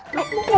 enggak berdua ya